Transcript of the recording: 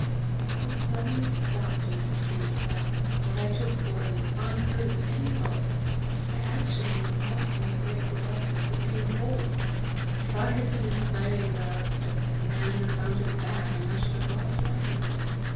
"I was suddenly stopped in the street by what I took for an unheard of insult: I actually thought my great proboscis was being pulled! If I had been as fiery as Alister, the man would have found his back, and I should have lost my nose.